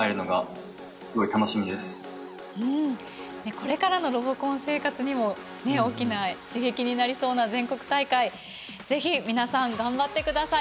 これからのロボコン生活にも大きな刺激になりそうな全国大会是非皆さん頑張ってください。